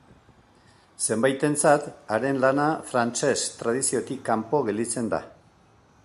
Zenbaitentzat, haren lana frantses tradiziotik kanpo gelditzen da.